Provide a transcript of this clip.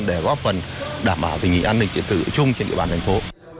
để góp phần đảm bảo tình hình an ninh trên địa bàn thành phố